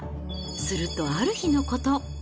すると、ある日のこと。